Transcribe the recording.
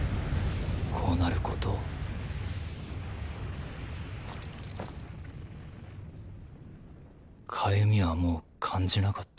こうなることを痒みはもう感じなかった